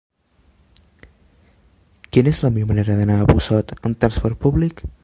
Quina és la millor manera d'anar a Busot amb transport públic?